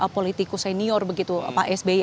politikus senior begitu pak sby